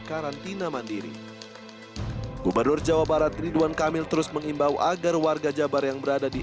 karantina mandiri gubernur jawa barat ridwan kamil terus mengimbau agar warga jabar yang berada di